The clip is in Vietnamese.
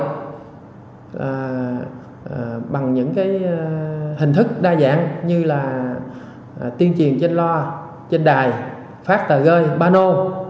hồng đã thay đổi bằng những hình thức đa dạng như tiên triền trên loa trên đài phát tờ gơi bano